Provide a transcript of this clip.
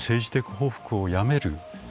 政治的報復をやめる。